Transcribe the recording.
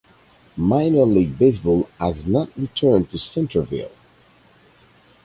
Minor league baseball has not returned to Centreville.